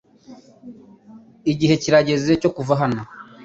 Igihe kirageze cyo kuva hano .